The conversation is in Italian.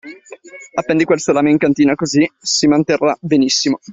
Appendi quel salame in cantina, così si manterrà benissimo.